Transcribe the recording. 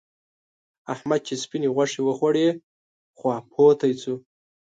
احمد چې سپينې غوښې وخوړې؛ خواپوتی شو.